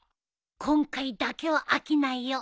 今回だけは飽きないよ。